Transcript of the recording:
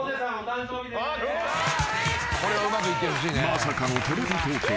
［まさかのテレビ東京］